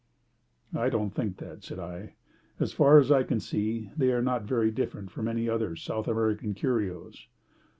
"I don't think that," said I. "As far as I can see, they are not very different from any other South American curios."